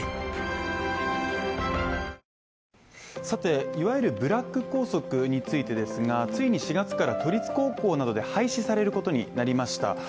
さて、いわゆるブラック校則についてですがついに４月から都立高校などで廃止されることになりました。